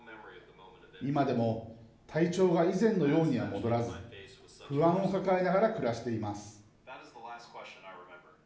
今でも体調が以前のようには戻らず不安を抱えながら暮らしています。